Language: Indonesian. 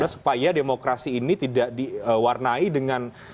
supaya demokrasi ini tidak diwarnai dengan